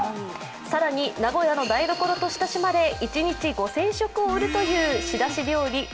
更に名古屋の台所と親しまれ１日５０００食を売るという仕出し料理